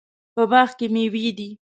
په باغ کې میوې دي